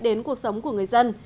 đến cuộc sống của người dân